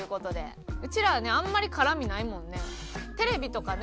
うちらはねあんまり絡みないもんね。